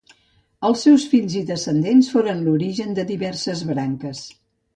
Els seus fills i descendents foren l'origen de diverses branques.